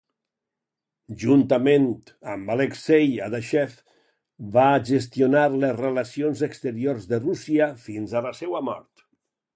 Juntament amb Alexei Adashev, va gestionar les relacions exteriors de Rússia fins a la seva mort.